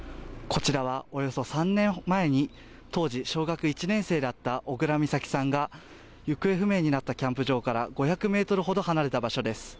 こちらは、およそ３年前に当時小学１年生だった小倉美咲さんが行方不明になったキャンプ場から５００ｍほど離れた場所です。